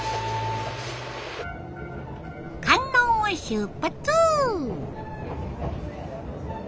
観音を出発！